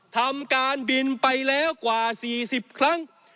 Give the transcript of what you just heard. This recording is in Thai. ทำการบินไปแล้วกว่า๔๐ครั้ง